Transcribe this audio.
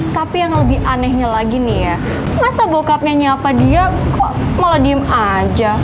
tapi yang lebih anehnya lagi nih ya masa bokapnya nyapa dia kok malah diem aja